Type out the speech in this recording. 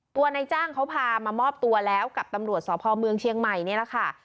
ตัวนายจ้างเขาพามามอบตัวแล้วกับตำรวจสพเมืองเชียงใหม่นี่แหละค่ะ